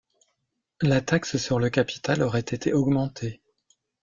La taxe sur le capital aurait été augmenté.